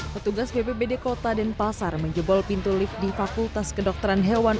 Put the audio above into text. petugas bpbd kota denpasar menjebol pintu lift di fakultas kedokteran hewan